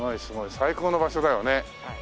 最高の場所だよね。